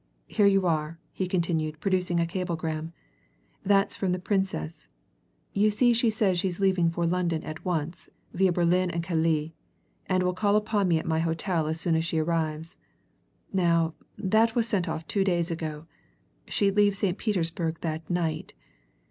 "Here you are," he continued producing a cablegram. "That's from the Princess you see she says she's leaving for London at once, via Berlin and Calais, and will call upon me at my hotel as soon as she arrives. Now, that was sent off two days ago she'd leave St. Petersburg that night.